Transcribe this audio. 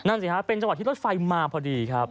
นั่นสิครับเป็นจังหวัดที่รถไฟมาพอดีครับ